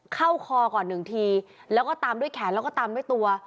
คอก่อนหนึ่งทีแล้วก็ตามด้วยแขนแล้วก็ตามด้วยตัว